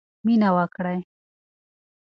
مینه ورکړئ.